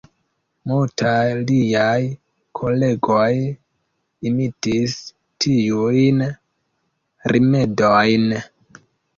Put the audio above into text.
Multaj liaj kolegoj imitis tiujn rimedojn.